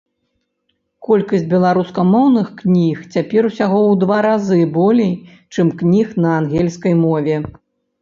Колькасць беларускамоўных кніг цяпер усяго ў два разы болей, чым кніг на ангельскай мове.